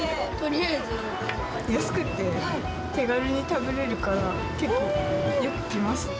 安くって、手軽に食べれるから、結構、よく来ます。